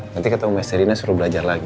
nanti ketemu mesterina suruh belajar lagi